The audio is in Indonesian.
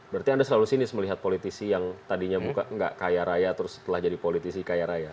berarti anda selalu sinis melihat politisi yang tadinya nggak kaya raya terus setelah jadi politisi kaya raya